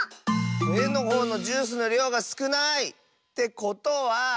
えのほうのジュースのりょうがすくない！ってことは。